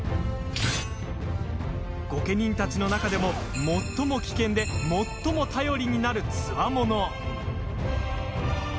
御家人たちの中でも最も危険で最も頼りになる、つわもの。